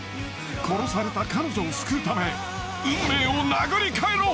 殺された彼女を救うため運命を殴り変えろ！